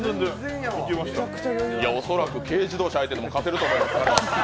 恐らく軽自動車相手でも勝てると思います。